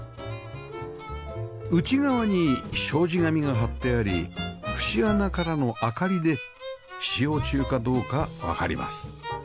内側に障子紙が張ってあり節穴からの明かりで使用中かどうかわかります